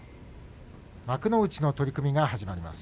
幕内の取組が始まります。